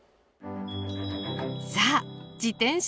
さあ自転車